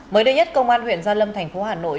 mới đây nhất công an huyện gia lâm thành phố hà nội